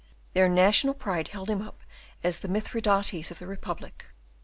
Their national pride held him up as the Mithridates of the Republic.